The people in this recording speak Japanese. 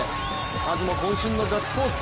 カズもこん身のガッツポーズ。